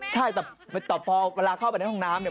ใช่แต่เวลาเข้าไปในห้องน้ำ